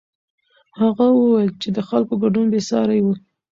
هغه وویل چې د خلکو ګډون بېساری و.